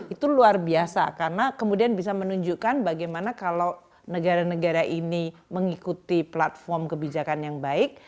itu luar biasa karena kemudian bisa menunjukkan bagaimana kalau negara negara ini mengikuti platform kebijakan yang baik